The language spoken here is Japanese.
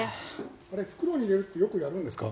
あれ、袋に入れるってよくやるんですか？